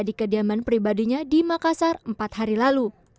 di kediaman pribadinya di makassar empat hari lalu